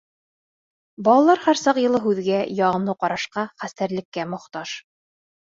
Балалар һәр саҡ йылы һүҙгә, яғымлы ҡарашҡа, хәстәрлеккә мохтаж.